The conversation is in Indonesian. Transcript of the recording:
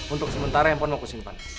untuk sementara handphone mau aku simpan